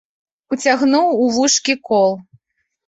Уцягнуў у вушкі кол.